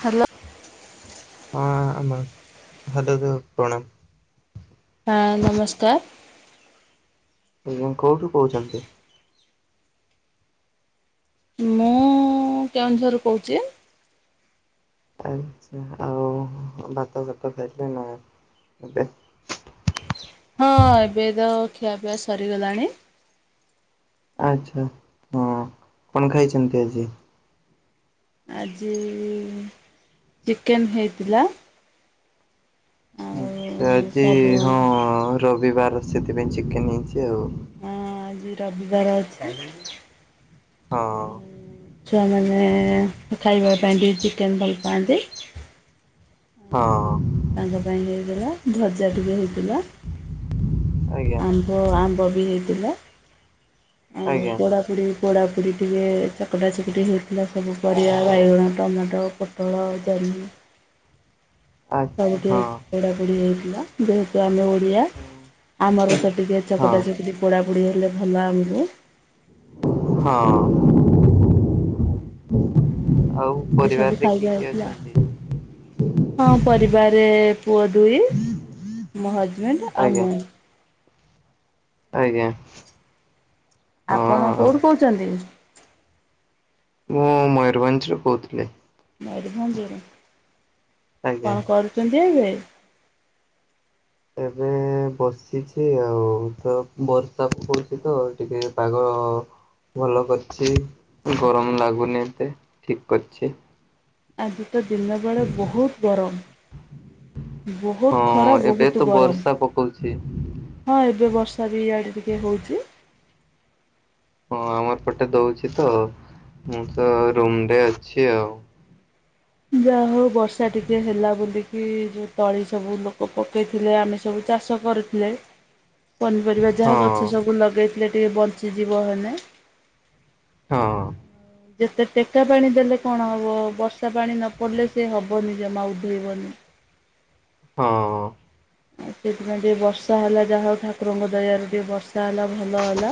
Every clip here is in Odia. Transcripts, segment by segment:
ହ୍ୟାଲୋ ହଁ ଆମ ହଲୋ ତ ପ୍ରଣମ୍। ହଁ ନମସ୍କାର। ଆଜ୍ଞା କୋଉଠୁ କହୁଛନ୍ତି? ମୁଁ କେଉଁଝରରୁ କହୁଛି। ଆଛା ଆଉ ଭାତଘାତ ଖାଇଲେ ନା ଏବେ [inaudible] ହଁ ଏବେ ତ ଖିଆପିଆ ସରିଗଲାଣି ଆଛା ହଁ କଣ ଖାଇଛନ୍ତି ଆଜି। ଆଜି ଚିକେନ ହେଇଥିଲା। ଆଛା ଆଉ ଆଜି ସବୁ ହଁ ରବିବାର ସେଥିପାଇଁ ଚିକେନ ହେଇଛି ଆଉ। ହଁ ଆଜି ରବିବାର ଅଛି ହଁ ଛୁଆମାନେ ଖାଇବା ପଣ୍ଡଡି ଚିକନ୍ ଭଲପାନ୍ତି। ହଁ। ତାଙ୍କ ପାଇଁ ହେଇଲା ଭଜା ଟିକେ ହେଇଥିଲା। ଆଜ୍ଞା ଆମ୍ବ ଆମ୍ବ ବି ହେଇଥିଲା। ଆଉ ଆଜ୍ଞା ପୋଡାକୁଡି ପୋଡ଼ାପୋଡ଼ି ଟିକେ ଚକଟା ଚକଟି ହେଉଥିଲା ସବୁ ପରିବା ବାଇଗଣ ଟମାଟୋ ପୋଟଳ ଜ ହୁଁ। ସବୁ ଆଚ୍ଛା ଟିକେ ହଁ। ପୋଡାପୋଡି ହେଇଥିଲା ଯେହେତୁ ଆମେ ତିଆ ଆମର ତ ଟିକେ ଚକଟା ହଁ ଚକଟି ପୋଡାପୋଡ଼ି ହେଲେ ଭଲ ଆମକୁ। ହଁ। ଆଉ ଉଁ ଏମିତି ସବୁ ପରିବାରରେ କିଏ ଖାଇବା କିଏ ହେଇଥିଲା। ଅଛନ୍ତି? ହଁ ପରିବାରେ ପୁଅ ଦୁଇ ମୋ ହଜବେଣ୍ଡ୍ ଆଉ ଆଜ୍ଞା ମୁଁ। ଆଜ୍ଞା। ଆପଣ ହଁ କୋଉଠୁ କହୁଛନ୍ତି? ମୁଁ ମୟୂରଭଞ୍ଜରୁ କହୁଥିଲି। ମୟୂରଭଞ୍ଜରୁ, ଆଜ୍ଞା। କଣ କରୁଚନ୍ତି ଏବେ? ଏବେ ବସିଚି ଆଉ ତ ବର୍ଷା ପକଉଚିତ ଟିକେ ପାଗ ଅ ଭଲ କରିଚି ଗରମ ଲାଗୁନି ଏତେ ଠିକ୍ କରିଚି। ଆଜି ତ ଦିନବେଳେ ବହୁତ ଗରମ୍। ବହୁତ୍ ହଁ ଖରା ଏବେ ବହୁତ୍ ତ ଗରମ ବର୍ଷା ପକଉଛି ହଁ ଏବେ ବର୍ଷ ଚାରି ଆଡେ ଟିକେ ହଉଚି। ଅଁ ଆମ ଏପଟେ ଦଉଚି ତ ମୁଁ ତ ରୁମ୍ ରେ ଅଛି ଆଉ। ଯାହା ହଉ ବର୍ଷା ଟିକେ ହେଲା ବୋଲିକି ଯୋଉ ତଳି ସବୁ ଲୋକ ପକେଇଥିଲେ ଆମେ ସବୁ ଚା ଚାଷ କରୁଥିଲେ। ପନିପରିବା ଯାହା ହଁ ଗଛ ସବୁ ଲଗେଇଥିଲେ ଟିକେ ବଞ୍ଚିଯିବ ହେଲେ। ହଁ। ଯେତେ ଟେକା ପାଣି ଦେଲେ କଣ ହବ ବର୍ଷା ପାଣି ନ ପଡ଼ିଲେ ସେ ହବନି ଜମା ଉଧେଇବନି। ହଁ। ସେଇଥିପାଇଁ ଟିକେ ବର୍ଷା ହେଲା ଯାହା ହଉ ଠାକୁରଙ୍କ ଦୟାରୁ ଟିକେ ବର୍ଷା ହେଲା। ଭଲ ହେଲା।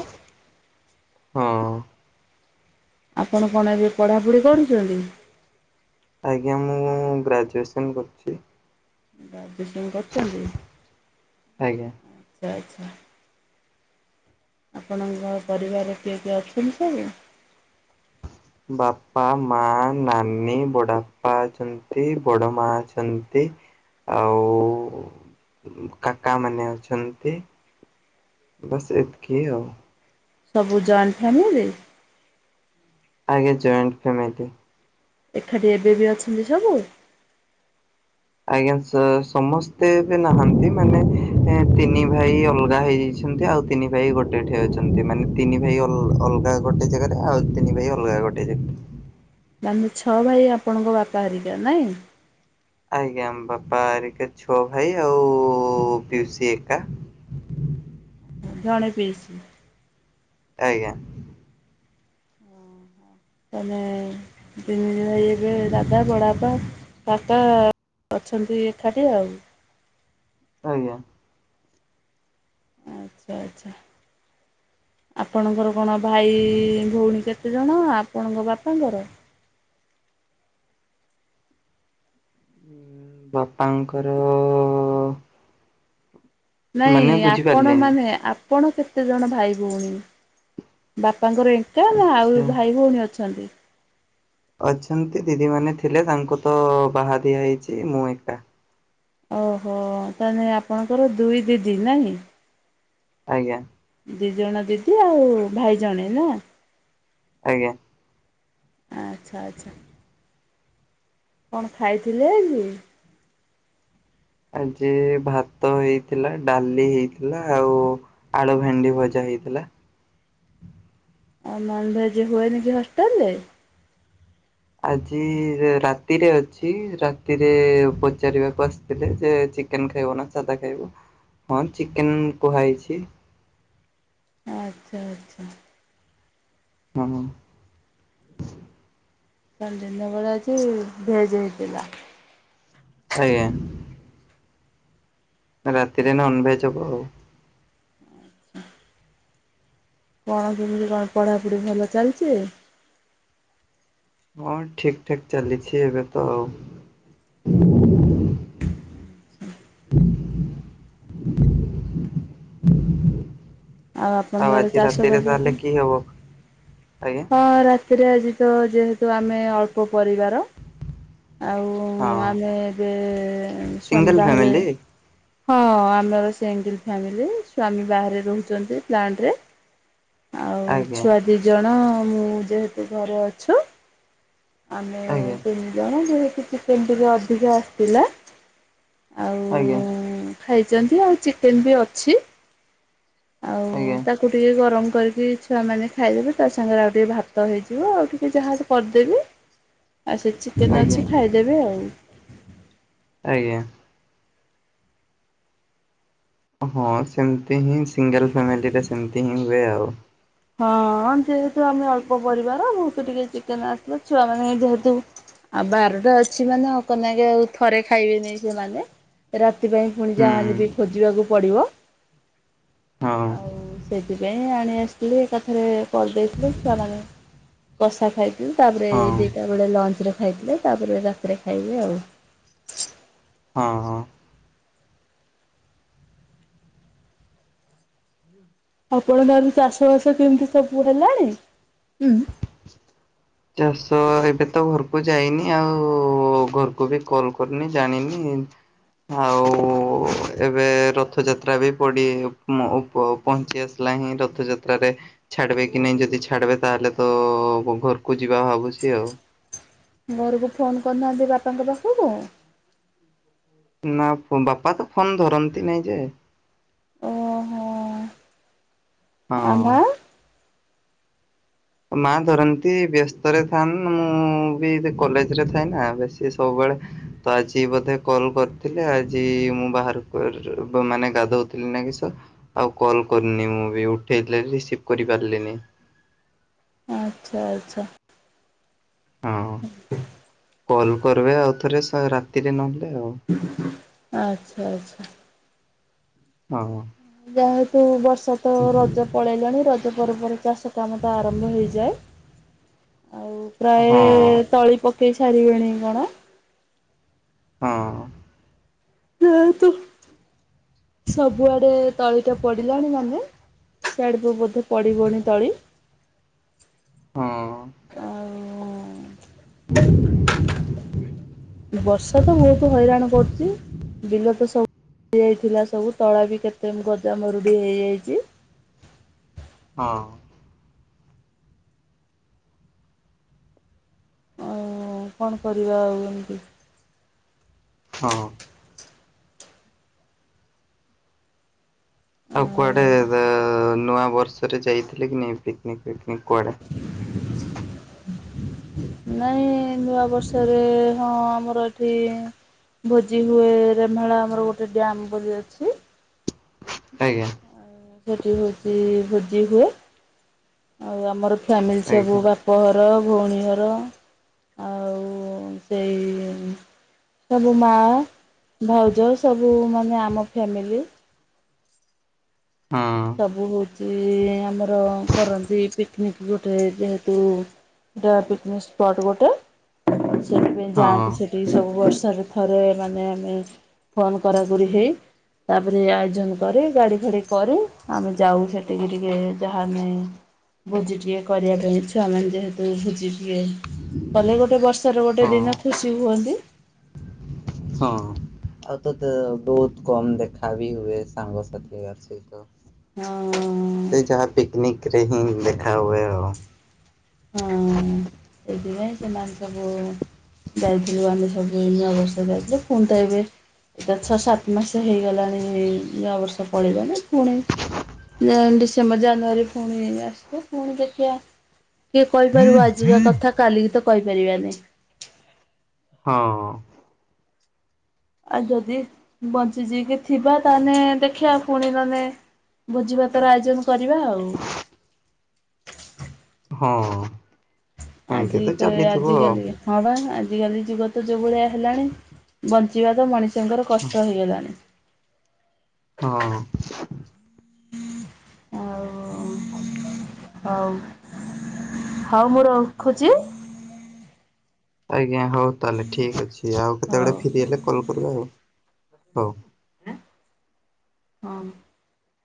ହଁ ଆପଣ କଣ ଏବେ ପଢ଼ାପଢ଼ି କରୁଚନ୍ତି? ଆଜ୍ଞା ମୁଁ ଗ୍ରାଜୁଏସନ୍ କରୁଛି। ଗ୍ରାଜୁଏସନ୍ କରୁଛନ୍ତି ଆଜ୍ଞା ଆଚ୍ଛା ଆଚ୍ଛା। ଆପଣଙ୍କ ପରିବାର କିଏ କିଏ ଅଛନ୍ତି ସବୁ? ବାପା, ମା, ନାନୀ, ବଡ଼ବାପା ଅଛନ୍ତି ବଡ଼ ମା ଅଛନ୍ତି। ଆଉ ଉଁ କାକା ମାନେ ଅଛନ୍ତି। ବାସ୍ ଏତିକି ଆଉ। ସବୁ ଜଏଣ୍ଟ ଫ୍ୟାମିଲି। ଆଜ୍ଞା ଜଏଣ୍ଟ୍ ଫ୍ୟାମିଲି। ଏକାଠି ଏବେ ବି ଅଛନ୍ତି ସବୁ। ଆଜ୍ଞା ସ ସମସ୍ତେ ଏବେ ନାହାନ୍ତି ମାନେ ଏଁ ତିନି ଭାଇ ଅଲଗା ହେଇଯାଇ ଛନ୍ତି ଆଉ ତିନି ଭାଇ ଗୋଟେ ଏଠି ଅଛନ୍ତି ମାନେ ତିନି ଭାଇ ଅଲ୍ ଅଲଗା ଗୋଟେ ଜାଗାରେ ଆଉ ତିନି ଭାଇ ଅଲଗା। ଆଉ ଗୋଟେ ଯେ ତାଆନେ ଛଅ ଭାଇ ଆପଣଙ୍କ ବାପା ହରିକା ନାଇଁ। ଆଜ୍ଞା ଆମ ବାପା ଆରିକା ଛଅ ଭାଇ ଆଉ ପିଉସୀ ଏକା। [inaudible] ଜଣେ ପିଇସୀ। ଆଜ୍ଞା।। ତାନେ ତିନି ଭାଈ ଏବେ ଦାଦା ବଡଆପା ବାପା ଅଛନ୍ତି ଏକାଠି ଆଉ। ଆଜ୍ଞା। ଆଚ୍ଛା ଆଚ୍ଛା। [inaudible] ଆପଣଙ୍କର କଣ ଭାଇ ଭଉଣୀ କେତେଜଣ ଆପଣଙ୍କ ବାପାଙ୍କର? ବାପାଙ୍କର ନାଇଁ ମାନେ ଆପଣ ବୁଝିପାରିଲେନି ମାନେ ଆପଣ କେତେ ଜଣ ଭାଇ ଭଉଣୀ ବା ବାପାଙ୍କର ଏକା ନା ଆଉ ଆଚ୍ଛା। ଭାଇ ଭଉଣୀ ଅଛନ୍ତି। ଅଛନ୍ତି ଦିଦି ମାନେ ଥିଲେ ତାଙ୍କୁ ତ ବାହା ଦିଆ ହେଇଛି ମୁଁ ଏକା। ଓହୋ ତାହା ହେଲେ ଆପଣଙ୍କର ଦୁଇ ଦିଦି ନାଇଁ। ଆଜ୍ଞା। ଦି ଜଣ ଦିଦି ଆଉ ଭାଇ ଜଣେ ନା? ଆଜ୍ଞା। ଆଚ୍ଛା ଆଚ୍ଛା। କଣ ଖାଇଥିଲେ ଆଜି? ଆଜି ଭାତ ହେଇଥିଲା ଡ଼ାଲି ହେଇଥିଲା ଆଉ ଆଳୁ ଭେଣ୍ଡି ଭଜା ହେଇ ହେଲା। ଆଉ ନନଭେଜ୍ ହୁଏନ କି ହଷ୍ଟେଲ ରେ। ଆଜି ରାତିରେ ଅଛି ରାତିରେ ପଚାରିବାକୁ ଆସିଥିଲେ ଯେ ଚିକେନ୍ ଖାଇବ ନା ସାଧା ଖାଇବ ହଁ ଚିକେନ୍ କୁହାହେଇଛି। ଆଚ୍ଛା ଆଚ୍ଛା। ହଁ। ତା ଦିନ ବେଳା ଯେ ଭେଜ଼ ହେଇଥିଲା। ଆଜ୍ଞା। ରାତିରେ ନନ୍‌ଭେଜ ହବ ଆଉ‌। କଣ କେମିତି କଣ ପଢ଼ାପଢ଼ି ଭଲ ଚାଲିଛି? ହଁ ଠିକ୍ ଠାକ୍ ଚାଲିଛି ଏବେ ତ ଆଉ। [unintelligible] [inaudible] ଆପଣଙ୍କ ଆଉ ଘରେ ଆଜି ଚାଷ ରାତିରେ ବାସ ତାହଲେ କି ହବ? ଆଜ୍ଞା ହଁ ରାତିରେ ଆଜି ତ ଯେହେତୁ ଆମେ ଅଳ୍ପ ପରିବାର। ଆଉ ହଁ ଆମେ ଏବେ ସ୍ୱାମୀ ସିଙ୍ଗଲ ବାହାରେ ଫ୍ୟାମିଲି ହଁ ଆମର ସିଙ୍ଗଲ ଫାମିଲ ସ୍ଵାମୀ ବାହାରେ ରହୁଛନ୍ତି, ପ୍ଲାଣ୍ଟରେ। ଆଉ ଆଜ୍ଞା। ଛୁଆ ଦି ଜଣ ମୁଁ ଯେହେତୁ ଘରେ ଅଛୁ। ଆମେ ଆଜ୍ଞା ତିନଜଣ ଯେହେତୁ ଚିକେନ୍‌ ଟିକେ ଅଧିକା ଆସଥିଲା। ଆଜ୍ଞା। ଖାଇଛନ୍ତି ଆଉ ଚିକେନ୍‌ ବି ଅଛି। ଆଉ ଆଜ୍ଞା ତାକୁ ଟିକେ ଗରମ କରିକି ଛୁଆ ମାନେ ଖାଇଦେବେ ତା ସାଙ୍ଗରେ ଆଉ ଟିକେ ଭାତ ହେଇଯିବ ଆଉ ଟିକେ ଯାହା କରିଦେବି। ହ ଆଉ ସେ ଚିକେନ୍ ଅଛି ଖାଇଦେବେ ଆଉ। ଆଜ୍ଞା। ହଁ ସେମତି ହିଁ ସିଙ୍ଗେଲ୍‌ ଫ୍ୟାମିଲିରେ ସେମତି ହିଁ ହୁଏ ଆଉ। ହଁ ଯେହେତୁ ଆମେ ଅଳ୍ପ ପରିବାର ବହୁତୁ ଟିକେ ଚିକେନ୍‌ ଆସିଥିଲା ଛୁଆ ମାନେ ଯେହେତୁ ଆଉ ବାରଟା ଅଛି ମାନେ ହ ନାଇଁ ଆଉ ଥରେ ଖାଇବେନି ସେମାନେ ରା ତି ପାଇଁ ପୁଣି ହୁଁ ଯାହାଲେ ବି ଖୋଜିବାକୁ ପଡିବ। ହଁ ଆଉ ସେଥିପାଇଁ ଆଣି ଆସି ଏକାଥରେ କରି ଦେଇଥିଲି ଛୁଆମାନେ କଷା ଖାଇବେ ତାପରେ ହଁ ଦିଟା ବେଳେ ଲଞ୍ଚ ରେ ଖାଇଥିଲେ, ତାପରେ ରାତିରେ ଖାଇବେ ଆଉ। ହଁ ହଁ। ଆପଣଙ୍କ ଆଡେ ଚାଷ ବାସ କେମତି ସବୁ ହେଲାଣି? ଚାଷ ଏବେ ତ ଘର କୁ। ଯାଇନି ଆଉ ଘରକୁ ବି କଲ୍ ‌କରିନି ଜାଣିନି ଏମତି ଆଉ ଏବେ ରଥଯାତ୍ରା ବି ପଡି ପ ପହଞ୍ଚି ଆସିଲା ଣି ନାହିଁ ରଥଯାତ୍ରରେ ଛାଡିବେ କି ନାଇଁ ଯଦି ଛାଡିବେ ତାହେଲେ ତ ଘରକୁ ଯିବା ଭାବୁଛି ଆଉ। ଘରକୁ ଫୋନ କରି ନାହାଁନ୍ତି ବାପାଙ୍କ ପାଖକୁ? ନା ବାପା ତ ଫୋନ ଧରନ୍ତି ନାଇଁ ଯେ। ଓହୋ ଆ ହଁ। ମା ମା ଧରନ୍ତି ବ୍ୟସ୍ତରେ ଥାନ୍ତି ମୁଁ ବି କଲେଜ ରେ ଥାଏ ନା ବେଶୀ ସବୁବେଳେ ତ ଆଜି ବୋଧେ କଲ୍ କରିଥିଲେ ଆଜି ମୁଁ ବାହାରକୁ ମାନେ ଗାଧଉ ଥିଲି ନା କିସ ଆଉ କଲ କରିନି ମୁଁ ବି ଉଠେଇ ଥିଲି ଆଜି ରିସିଭ କରିପାରିଲିନି। [inaudible] ଆଚ୍ଛା। ଆଚ୍ଛା। ହଁ କଲ କରବେ ଆଉଥରେ ସେ ରାତିରେ ନହେଲେ। ଆଉ ଆଚ୍ଛା ଆଚ୍ଛା। ହ ହ। ଯାହା ହଉ ତୁ ବସ ତ ରଜ ପଳେଇଲାଣି ରଜ ପରେ ପରେ ଚାଷ କାମ ତ ଆରମ୍ଭ ହେଇଯାଏ। ଆଉ ହଁ ପ୍ରାୟେ ହଁ। ତଳି ପକେଇ ସାରିବେଣି କଣ। ହଁ। ସେଇଆ ତ ସବୁଆଡେ ତଳିଟା ପଡିଲାଣି ମାନେ ସିଆଡ ସବୁ ପଡିବନି ତଳି। ହଁ। ଆଉ ବର୍ଷା ତ ବହୁତ ହଇରାଣ କରୁଛି ବିଲ ତ ସବୁ ହେଇ ଯାଇଥିଲା ସବୁ ତଳା ବି କେତେ ଗଜା ମରୁଡି ହେଇଯାଇଚି। ହଁ। ହଁ କଣ କରିବା ଆଉ ଏମତି। ହଁ। ଆଉ କୁଆଡେ ନୂଆ ବର୍ଷରେ ଯାଇଥିଲେ କି ନାଇଁ ପିକନିକ ଫିକନିକ କୁଆଡେ ନୂଆବର୍ଷରେ ହଁ ଆମର ଏଠି ଭୋଜି ହୁଏ ରେମାଳା ଆମର ଗୋଟେ ଡ୍ୟାମ ବୋଲି ଅଛି। ଆଜ୍ଞା। ସେଠି ହୋଉଚି। ଭୋଜି ହୁଏ ଆଉ ଆମର ଫ୍ୟାମିଲି ସବୁ ଆଜ୍ଞା ବାପଘର ଭଉଣୀ ଘର ଆଉ ସେଇ ସବୁ ମା ଭାଉଜ ସବୁ ମାନେ ଆମ ଫ୍ୟାମିଲି ହଁ ସବୁ ହୋଉଚି ଆମର କରନ୍ତି ପିକନିକ୍ ଗୋଟେ ଯେହେତୁ ଟ ପିକନିକ ସ୍ପଟ ଗୋଟେ ସେଥିପାଇଁ ହଁ ଯାଆନ୍ତି ସେଠିକି ସବୁ ବର୍ଷ ଥରେ ଥରେ ମାନେ ଆମେ ଫୋନ୍ କରାକରି ହେଇ ତାପରେ ଆୟୋଜନ କରେ ଗାଡି ଫାଡି କରେ। ଆମେ ଯାଉ ସେଠିକି ଟିକେ ଯାହା ଆମେ ଭୋଜି ଟିକେ କରିବା ପାଇଁ ଛୁଆମାନେେ ଯେହେତୁ ଭୋଜି ଟେ କଲେ ଗୋଟେ ବର୍ଷର ଗୋଟେ ହଁ। ଦିନ ଖୁସି ହୁଅନ୍ତି। ହଁ। ଆଉ ତତେ ବହୁତ କମ ଦେଖା ବି ହୁଏ ସାଙ୍ଗସାଥି ଅଛିତ। ସେ ଯାହା ପିକନିକରେ ହିଁ ଦେଖା ହୁଏ ଆଉ। ହ [unintelligible] ସେଇଥିପାଇଁ ସେମାନ ସବୁ ଯାଇଥିଲ ଆାନେ ସବୁ ଅବସ୍ଥା ଯାଇଥିଲ କ ତ ଏବେ ଏଟ ଛଅ ସାତ ମାସ ହେଇଗଲାଣି ଏଇ ନୂଆବର୍ଷ ପଳେଇଲାଣି ପୁଣି ଡିସେମ୍ବର ଜାନୁଆାରୀ ପୁଣି ଆସିବ ପୁଣି ଦେଖିବା କିଏ କହିପାରିବ ଆଜିର କଥା କାଲିକି ତ କହିପାରିବା ନେଇ ହଁ। ଆଉ ଯଦି ବଞ୍ଚି ଯି କିି ଥିବା ତାଲେ ଦେଖିବା ପୁଣି ନହେଲେ ଭୋଜି ଭାତର ଆୟୋଜନ କରିବା ଆଉ। ହଁ। ଆଜି ଏମିତି ତ ଚାଲିଥିବ ଆଜି ଆଉ। କାଲି ହଁ ବା ଆ ଆଜିକାଲି ଯୁଗ ତ ଯୋଉ ଭଳିଆ ହେଲାଣି ବଞ୍ଚିବା ତ ମଣିଷଙ୍କର କଷ୍ଟ ହେଇଗଲାଣି। ହଁ। ଆଉ ହଉ ହଉ ମୁଁ ରଖୁଚି? ଆଜ୍ଞା ହୋଉ ତାହେଲେ ଠିକ ଅଛି। ଆଉ କେତେବେଳେ ହଉ ଫ୍ରି ହେଲେ କଲ କରିବେ ଆଉ ହୋଉ। ଆଁ ହଁ।